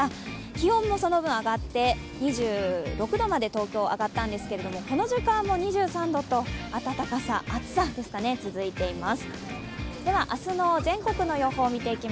気温もその分、上がって２６度まで東京、上がったんですけれどもこの時間も２３度と暖かさ暑さですかね、続いています。